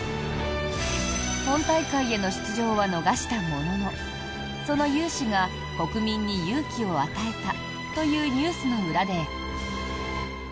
本大会への出場は逃したもののその雄姿が国民に勇気を与えたというニュースの裏で。